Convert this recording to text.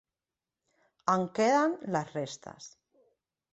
En queden les restes.